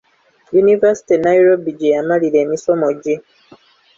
Yunivaasite e Nairobi gye yamalira emisomo gye.